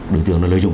đối tượng nó lợi dụng